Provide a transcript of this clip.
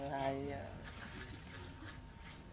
อะไรอ่ะ